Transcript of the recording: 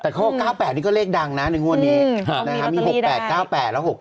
แต่ข้อ๙๘นี่ก็เลขดังนะในงวดนี้มี๖๘๙๘แล้ว๖๙